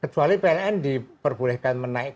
kecuali pln diperbolehkan menambah beban